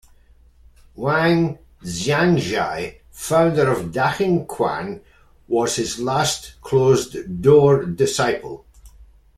Wang Xiangzhai, founder of dachengquan was his last closed door disciple.